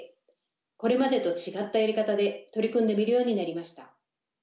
これまでと違ったやり方で取り組んでみるようになりました。